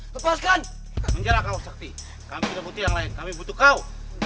lepaskan menjaga usakti kami butuh kau